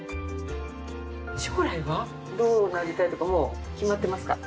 将来はどうなりたいとかもう決まってますか？